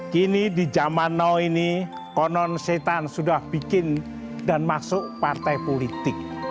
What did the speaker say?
kini di zaman now ini konon setan sudah bikin dan masuk partai politik